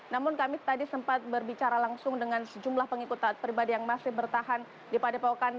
namun kami tadi sempat berbicara langsung dengan sejumlah pengikut taat pribadi yang masih bertahan di padepokan